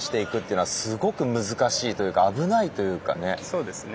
そうですね。